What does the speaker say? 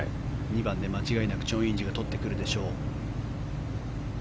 ２番で間違いなくチョン・インジが取ってくるでしょう。